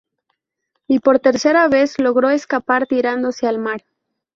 Y por tercera vez logró escapar tirándose al mar.